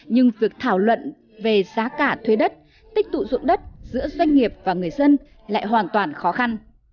nhưng việc thảo luận về giá cả thuê đất tích tụ dụng đất giữa doanh nghiệp và người dân lại hoàn toàn khó khăn